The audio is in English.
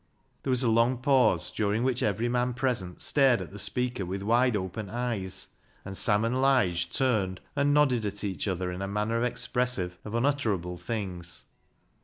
There was a long pause, during which every man present stared at the speaker with wide opened eyes, and Sam and Lige turned and THE STUDENT 19 nodded at each other in a manner expressive of unutterable things.